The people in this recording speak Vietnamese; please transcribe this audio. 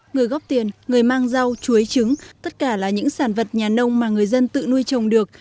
người góp tiền người mang rau chuối trứng tất cả là những sản vật nhà nông mà người dân tự nuôi trồng được